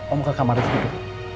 om ke kamar ripki dulu